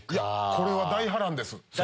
これは大波乱です。